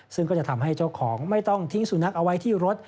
ซึ่งก็จะทำให้เจ้าของไม่ต้องทิ้งสุนัขเอาไว้ที่รถ